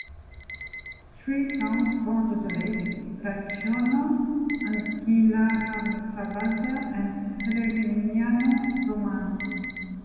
Three towns border the lake, Bracciano, Anguillara Sabazia and Trevignano Romano.